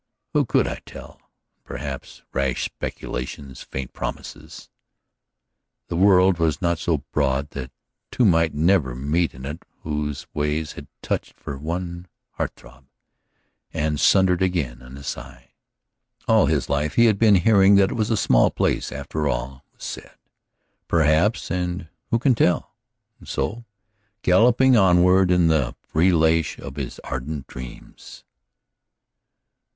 Who could tell? and perhaps; rash speculations, faint promises. The world was not so broad that two might never meet in it whose ways had touched for one heart throb and sundered again in a sigh. All his life he had been hearing that it was a small place, after all was said. Perhaps, and who can tell? And so, galloping onward in the free leash of his ardent dreams.